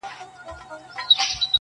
• که پتنګ یې معسوقه شمع شیدا وي..